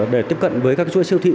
để tiếp cận với các chuỗi siêu thị